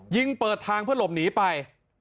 ยิงเปิดทางเพื่อหลบหนีไป